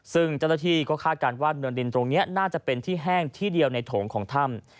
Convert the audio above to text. ซึ่งเจ้าหน้าที่ก็คาดการณ์ว่าเนินดินตรงนี้น่าจะเป็นที่แห้งที่เดียวในโถงของถ้ำ